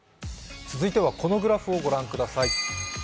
続いてはこのグラフを御覧ください。